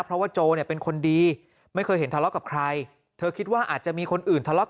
เพราะว่าโจเนี่ยเป็นคนดีไม่เคยเห็นทะเลาะกับใครเธอคิดว่าอาจจะมีคนอื่นทะเลาะ